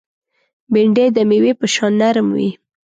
بېنډۍ د مېوې په شان نرم وي